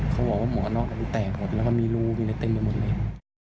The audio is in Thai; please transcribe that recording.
เขาบอกว่าเหมาะนอกแบบนี้แตกแล้วก็มีรูมีในเต็มทั้งหมดเลย